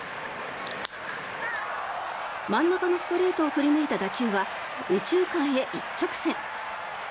真ん中のストレートを振り抜いた打球は右中間へ一直線。